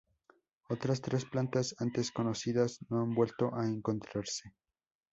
Otras tres plantas antes conocidas no han vuelto a encontrarse.